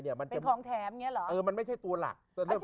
เป็นของแถมมันไม่ใช่ตัวหลัก